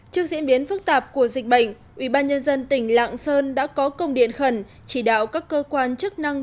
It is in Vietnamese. trước diễn biến phức tạp của dịch bệnh ubnd tỉnh lạng sơn đã có công điện khẩn chỉ đạo các cơ quan chức năng